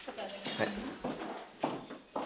はい。